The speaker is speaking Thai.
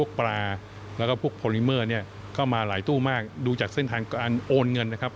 เข้ามาหลายตู้มากดูจากเส้นทางการโอนเงินนะครับ